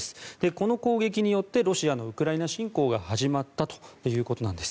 この攻撃によってロシアのウクライナ侵攻が始まったということなんです。